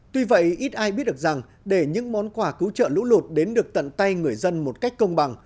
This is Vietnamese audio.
tuy vậy ít ai biết được rằng để những món quà cứu trợ lũ lụt đến được tận tay người dân một cách công bằng